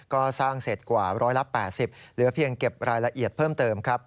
ก็สร้างเสร็จกว่า๑๘๐เหลือเพียงเก็บรายละเอียดเพิ่มเติมครับ